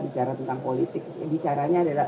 bicara tentang politik bicaranya adalah